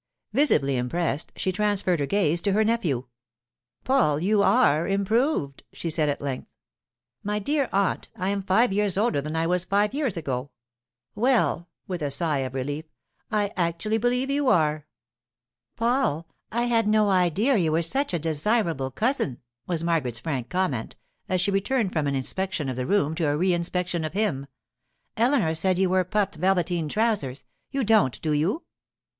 Visibly impressed, she transferred her gaze to her nephew. 'Paul, you are improved,' she said at length. 'My dear aunt, I am five years older than I was five years ago.' 'Well,' with a sigh of relief, 'I actually believe you are!' 'Paul, I had no idea you were such a desirable cousin,' was Margaret's frank comment, as she returned from an inspection of the room to a reinspection of him. 'Eleanor said you wore puffed velveteen trousers. You don't, do you?